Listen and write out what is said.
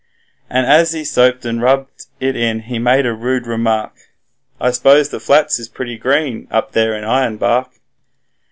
And as he soaped and rubbed it in he made a rude remark: 'I s'pose the flats is pretty green up there in Ironbark.'